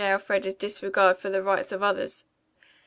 Elfreda's disregard for the rights of others.